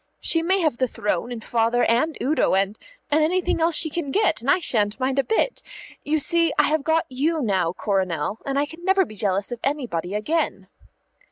"She may have the throne and Father and Udo, and and anything else she can get, and I shan't mind a bit. You see, I have got you now, Coronel, and I can never be jealous of anybody again."